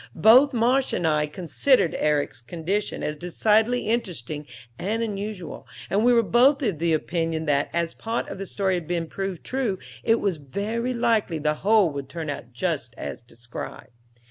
Both Marsh and I considered Herrick's condition as decidedly interesting and unusual, and we were both of the opinion that, as part of the story had proved true, it was very likely the whole would turn out just as described.